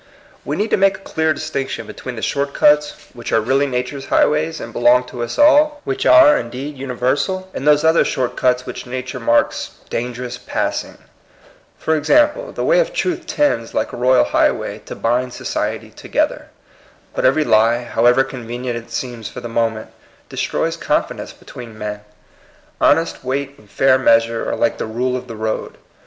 We need to make a clear distinction between the short cuts which are really 82 TBE COMING PEOPLE. nature's highways, and belong to us all, which are, indeed, universal, and those other short cuts which nature marks *^ Dan gerous Passing." For example, the way of truth tends, like a royal highway, to bind society together. But every lie, however convenient it seems for the moment, de stroys confidence between men. Honest weight and fair measure are like "the rule of the road."